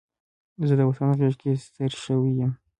زه د وطن غېږ کې ستر شوی یم